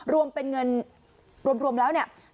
รวมเป็นเงินรวมแล้วเนี่ย